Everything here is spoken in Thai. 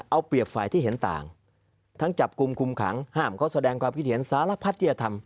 เอาเปรียบฝ่ายที่เห็นต่างทั้งจับกลุ่มคุมขังห้ามเขาแสดงความคิดเห็นสารพัดที่จะทำ